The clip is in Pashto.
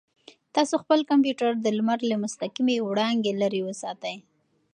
تاسو خپل کمپیوټر د لمر له مستقیمې وړانګې لرې وساتئ.